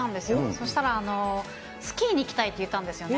そしたら、スキーに行きたいって言ったんですよね。